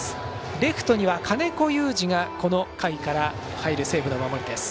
レフトには金子侑司がこの回から入る西武の守りです。